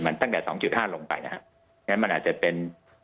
มันตั้งแต่๒๕ลงไปนะครับงั้นมันอาจจะเป็น๒๐๑๕๑๐